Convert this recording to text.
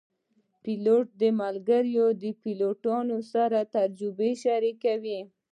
پیلوټ د ملګرو پیلوټانو سره تجربه شریکوي.